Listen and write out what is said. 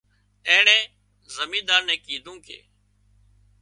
اينڻي زمينۮار نين ڪيڌوون ڪي